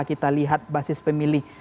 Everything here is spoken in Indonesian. kita lihat basis pemilih